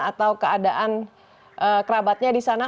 atau keadaan kerabatnya di sana